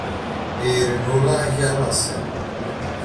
Η Ειρηνούλα γέλασε.